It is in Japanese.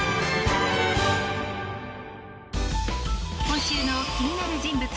今週の気になる人物